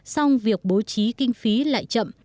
xong việc bố trí kinh phí lại chậm